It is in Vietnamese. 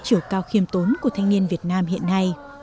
chiều cao khiêm tốn của thanh niên việt nam hiện nay